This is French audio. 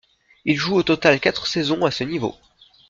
Il joue au total quatre saisons à ce niveau.